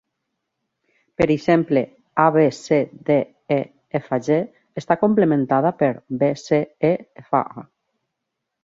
Per exemple, A-B-C-D-E-F-G està "complementada" per B-C-E-F-A.